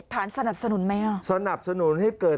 ทานสนับสนุนไหมอ่ะ